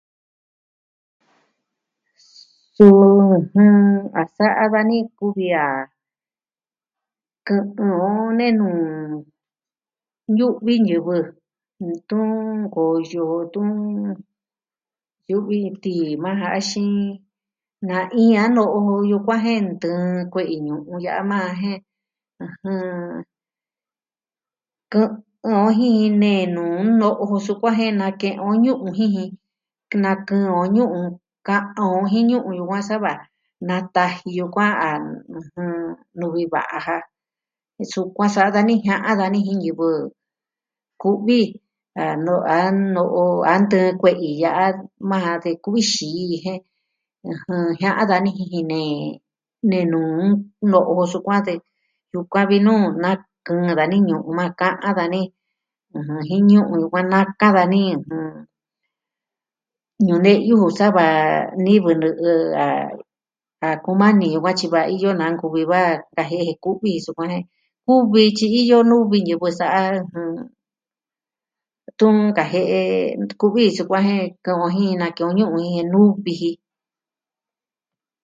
Suu a sa'a dani kuvi a kɨ'ɨn o nenu ñu'vi ñivɨ. Ntɨɨn koyo tɨɨn. Yu'vi ti maa jaxii. Na'in a no'o yukuan jen ntɨɨn kɨ'ɨn kue'i ñu'un ya'a maa jen kɨ'ɨn jin nee nuu no'o jo sun kuaan jen nake'en o jin ji. kɨnakɨ'ɨn o ñu'un. Ka'an o jin ñu'un yukuaa sava. Nataji yukuan nuvi va'a ja. Sukuan sa'a dani jiaa dani jin ñivɨ ku'vi. A no, a no'o a ntɨɨn kue'i ya'a maa ja de kuvi xii. Jia'an dani jin jinee. Nee nuu no'o sukuan te yukuan vi nuu na kɨɨn dani ñu'un maa kaa dani. Jen ñu'un yukuan na kaa dani . Ñuu neyu sava nivɨ nu'u a kumani yukuan tyi va iyo nankuvi va'a kajie'e kuvi sukuan jen. Kuvi tyi jiyo nuvi ñivɨ sa'a. Tun nkaje'e. Ntu kuvi sukuan jen ka'aon jin nake'e o ñuu nuu viji.